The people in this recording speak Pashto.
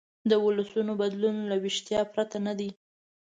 د ولسونو بدلون له ویښتیا پرته نه دی.